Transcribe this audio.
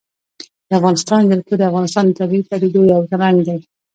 د افغانستان جلکو د افغانستان د طبیعي پدیدو یو رنګ دی.